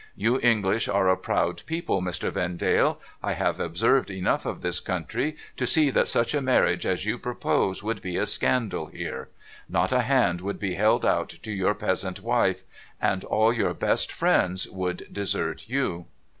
You English are a proud people, Mr. Vendale. I have observed enough of this country to see that such a marriage as you propose would be a scandal here. Not a hand would be held out to your peasant wife ; and all your best friends would desert you.'